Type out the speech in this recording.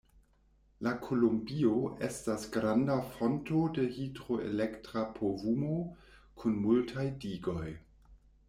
La Kolumbio estas granda fonto de hidroelektra povumo, kun multaj digoj.